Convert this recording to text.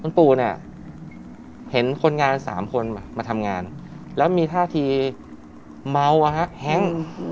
คุณปู่เนี่ยเห็นคนงาน๓คนมาทำงานแล้วมีท่าทีเมาแฮ้ง